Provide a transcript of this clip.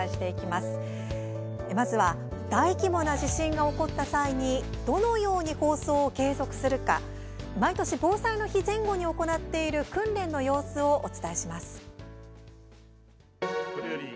まずは大規模な地震が起こった際にどのように放送を継続するか毎年、防災の日前後に行っている訓練の様子をお伝えします。